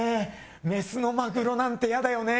メスのマグロなんてイヤだよね。